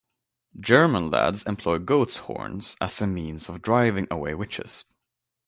German lads employ goats' horns as a means of driving away witches.